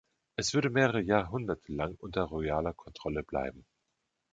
Es würde mehrere Jahrhunderte lang unter royaler Kontrolle bleiben.